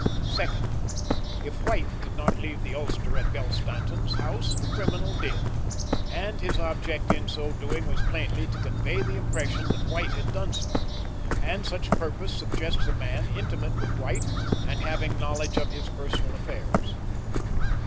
"2d. If White did not leave the ulster at Belle Stanton's house the criminal did, and his object in so doing was plainly to convey the impression that White had done so, and such purpose suggests a man intimate with White and having knowledge of his personal affairs.